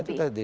iya itu tadi